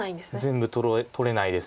全部取れないです。